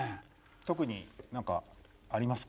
特に何かありますか？